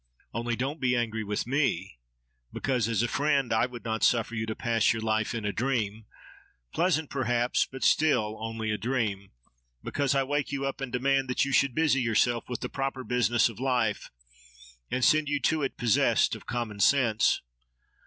Only, don't be angry with me, because, as a friend, I would not suffer you to pass your life in a dream, pleasant perhaps, but still only a dream—because I wake you up and demand that you should busy yourself with the proper business of life, and send you to it possessed of common sense.